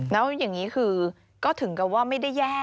แล้วอย่างนี้คือก็ถึงกับว่าไม่ได้แย่